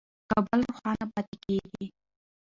کابل روښانه پاتې کېږي.